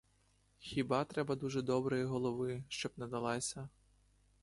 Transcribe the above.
Хіба треба дуже доброї голови, щоб не далася.